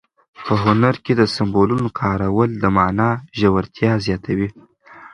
په هنر کې د سمبولونو کارول د مانا ژورتیا زیاتوي.